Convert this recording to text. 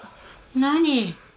何！？